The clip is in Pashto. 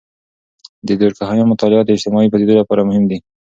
د دورکهايم مطالعات د اجتماعي پدیدو لپاره مهم دي.